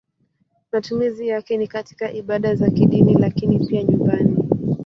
Matumizi yake ni katika ibada za kidini lakini pia nyumbani.